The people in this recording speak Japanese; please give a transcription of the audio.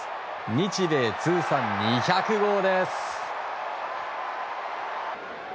日米通算２００号です。